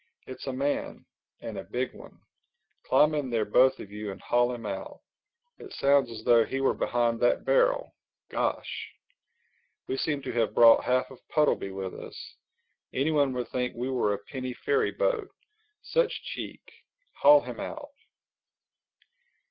"It's a man—and a big one. Climb in there, both of you, and haul him out. It sounds as though he were behind that barrel—Gosh! We seem to have brought half of Puddleby with us. Anyone would think we were a penny ferry boat. Such cheek! Haul him out."